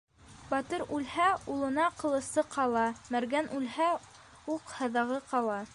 Батыр үлһә, улына ҡылысы ҡала, мәргән үлһә, уҡ-һаҙағы ҡала.